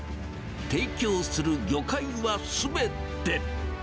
提供する魚介はすべて。